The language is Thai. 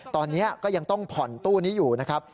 ตอนนี้ก็ยังต้องผ่อนตู้นี้อยู่นะครับ